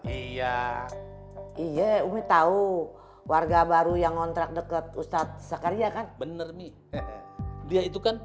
iya iya umi tahu warga baru yang ngontrak dekat ustadz sakarya kan bener nih dia itu kan